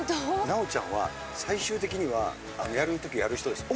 ナオちゃんは最終的にはやる時はやる人です。